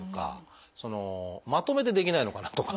そのまとめてできないのかなとか。